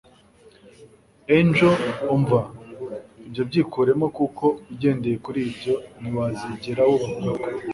Angel umva ibyo byikuremo kuko ugendeye kuri ibyo ntiwazigera wubaka urugo